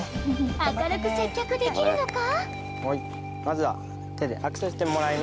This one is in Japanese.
明るく接客できるのか？